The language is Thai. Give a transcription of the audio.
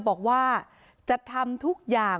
สวัสดีครับทุกคน